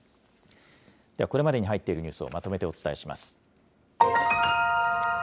ではこれまでに入っているニュースをまとめてお伝えします。